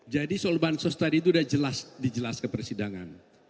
jadi solbansos tadi itu sudah dijelas ke persidangan